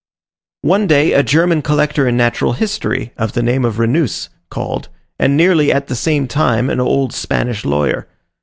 One day, a German collector in natural history, of the name of Renous, called, and nearly at the same time an old Spanish lawyer.